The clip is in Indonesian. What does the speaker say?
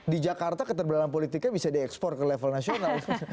di jakarta keterbelahan politiknya bisa diekspor ke level nasional